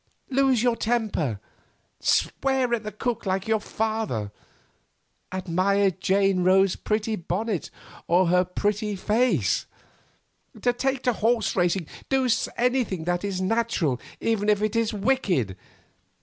Lose your temper; swear at the cook like your father; admire Jane Rose's pretty bonnet, or her pretty face; take to horse racing, do anything that is natural, even if it is wicked.